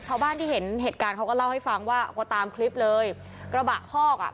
ชาวบ้านที่เห็นเหตุการณ์เขาก็เล่าให้ฟังว่าก็ตามคลิปเลยกระบะคอกอ่ะ